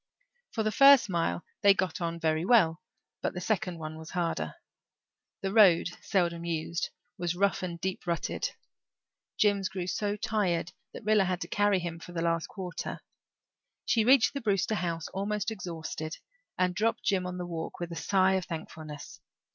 For the first mile they got on very well but the second one was harder. The road, seldom used, was rough and deep rutted. Jims grew so tired that Rilla had to carry him for the last quarter. She reached the Brewster house, almost exhausted, and dropped Jims on the walk with a sigh of thankfulness.